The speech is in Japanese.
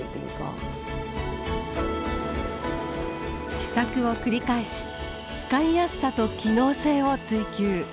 試作を繰り返し使いやすさと機能性を追求。